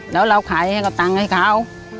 แล้วเราขายให้ตังให้เขา